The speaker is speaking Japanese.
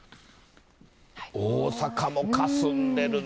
大阪もかすんでるな。